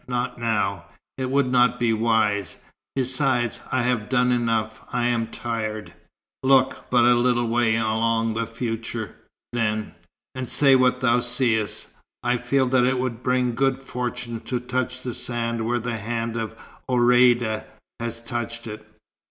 Not now. It would not be wise. Besides, I have done enough. I am tired." "Look but a little way along the future, then, and say what thou seest. I feel that it will bring good fortune to touch the sand where the hand of Ourïeda has touched it."